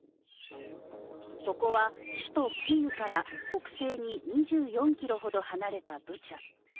ここは首都キーウから北西に２４ｋｍほど離れたブチャ。